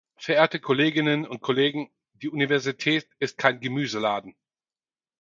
Verehrte Kolleginnen und Kollegen, die Universität ist kein Gemüseladen.